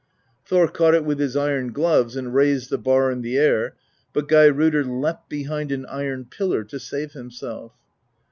Thor caught it with his iron gloves and raised the bar in the air, but Geirrodr leapt behind an iron pillar to save himself.